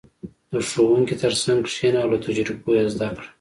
• د ښوونکي تر څنګ کښېنه او له تجربو یې زده کړه.